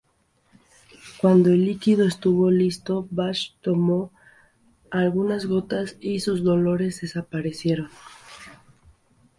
Cuando el líquido estuvo listo, Bach tomó algunas gotas y sus dolores desaparecieron.